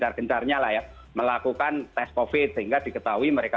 jadi bagaimana kalau saya saksikan disphisikan k k enlarjaman k mama ya bener